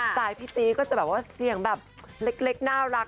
ไตล์พี่ตีก็จะแบบว่าเสียงแบบเล็กน่ารัก